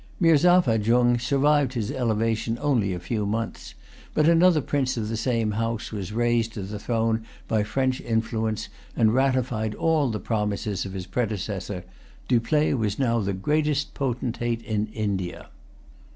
Mirzapha Jung survived his elevation only a few months, But another prince of the same house was raised to the throne by French influence, and ratified all the promises of his predecessor. Dupleix was now the greatest potentate in India.